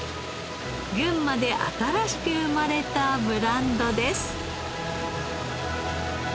群馬で新しく生まれたブランドです。